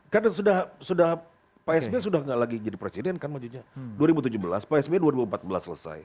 kan sudah sudah pak sbi sudah nggak lagi jadi presiden kan majunya dua ribu tujuh belas pak sbi dua ribu empat belas selesai